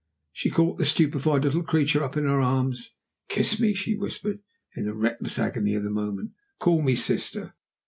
She caught the stupefied little creature up in her arms. "Kiss me!" she whispered, in the reckless agony of the moment. "Call me sister!"